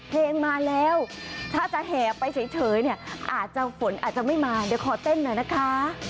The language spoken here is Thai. เพลงมาแล้วถ้าจะแห่ไปเฉยเนี่ยอาจจะฝนอาจจะไม่มาเดี๋ยวขอเต้นหน่อยนะคะ